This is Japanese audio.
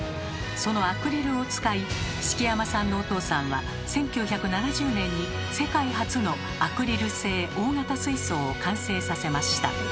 そのアクリルを使い敷山さんのお父さんは１９７０年に世界初のアクリル製大型水槽を完成させました。